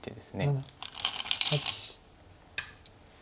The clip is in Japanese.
８。